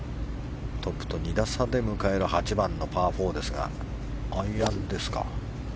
トップと２打差で迎える８番のパー４ですがアイアンですか。